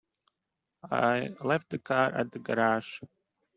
I left the car at the garage.